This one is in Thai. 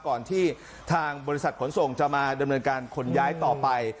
ก่อนที่ทางบริษัทขนส่งจะมาดำเนินการขนย้ายต่อไป